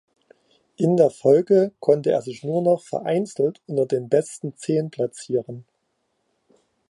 In der Folge konnte er sich nur noch vereinzelt unter den besten zehn platzieren.